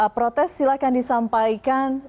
protes silahkan disampaikan